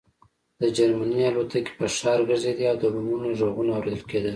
د جرمني الوتکې په ښار ګرځېدې او د بمونو غږونه اورېدل کېدل